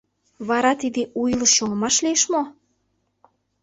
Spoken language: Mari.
Вара тиде у илыш чоҥымаш лиеш мо?